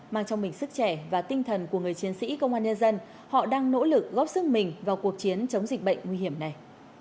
mang trong mình sức trẻ và tinh thần của người chiến sĩ công an nhân dân họ đang nỗ lực góp sức mình vào cuộc chiến chống dịch bệnh nguy hiểm này